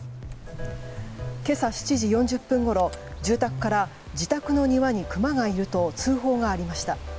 今朝７時４０分ごろ、住宅から自宅の庭にクマがいると通報がありました。